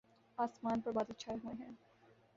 آسان پر بادل چھاۓ ہوۓ ہیں